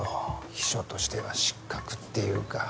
秘書としては失格っていうか。